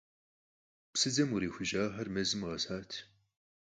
Псыдзэм кърихужьахэр мэзым къэсат.